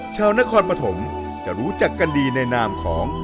ชาวนครปฐมจะรู้จักกันดีในนามของ